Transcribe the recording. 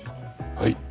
はい。